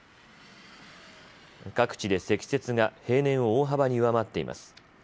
各地で積雪が平年を大幅に上回っています。